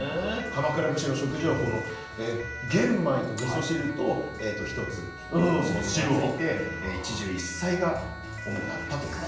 鎌倉武士の食事はこの玄米とみそ汁と一つおかずがついて「一汁一菜」が主だったという。